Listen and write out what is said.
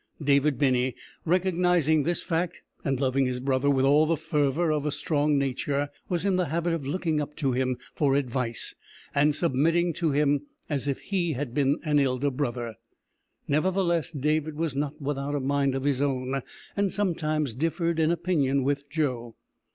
David Binney, recognising this fact, and loving his brother with all the fervour of a strong nature, was in the habit of looking up to him for advice, and submitting to him as if he had been an elder brother. Nevertheless, David was not without a mind of his own, and sometimes differed in opinion with Joe.